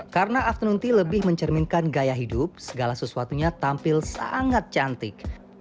karena afternoon tea lebih mencerminkan gaya hidup segala sesuatunya tampil sangat cantik